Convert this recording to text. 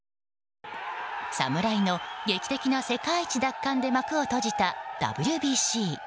侍の劇的な世界一奪還で幕を閉じたＷＢＣ。